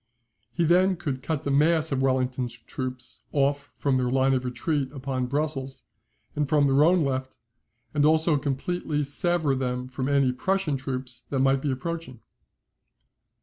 He then could cut the mass of Wellington's troops off from their line of retreat upon Brussels, and from their own left, and also completely sever them from any Prussian troops that might be approaching.